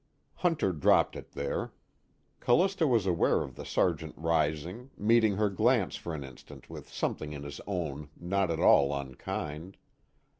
Hunter dropped it there. Callista was aware of the Sergeant rising, meeting her glance for an instant with something in his own not at all unkind.